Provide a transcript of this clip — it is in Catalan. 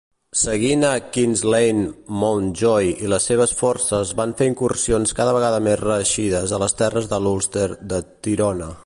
Seguint a Kinsale Mountjoy i les seves forces van fer incursions cada vegada més reeixides a les terres de l'Ulster de Tyrone.